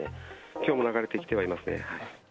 きょうも流れてきてはいますね。